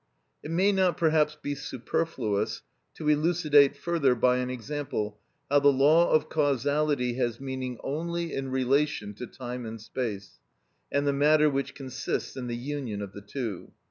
It may not perhaps be superfluous to elucidate further by an example how the law of causality has meaning only in relation to time and space, and the matter which consists in the union of the two.